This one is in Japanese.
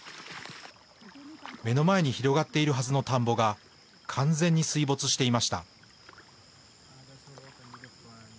目の前に広がっているはずの田んぼが完全に水没していました。